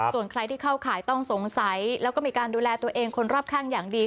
ส่วนใครที่เข้าข่ายต้องสงสัยแล้วก็มีการดูแลตัวเองคนรอบข้างอย่างดี